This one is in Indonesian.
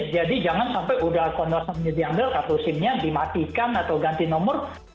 jadi jangan sampai akun whatsapp nya diambil kartu sim nya dimatikan atau ganti nomor